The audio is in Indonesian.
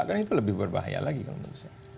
karena itu lebih berbahaya lagi kalau tidak bisa